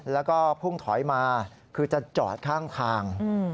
แล้วก็พุ่งถอยมาคือจะจอดข้างทาง